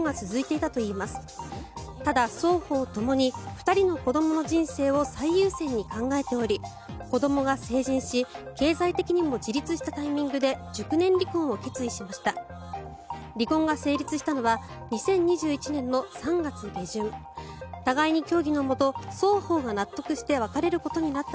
ただ、双方ともに２人の子どもの人生を最優先に考えており子どもが成人し経済的にも自立したタイミングで熟年離婚を決意しました。